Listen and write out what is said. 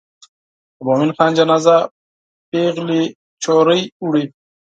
د مومن خان جنازه پیغلې نجونې وړي.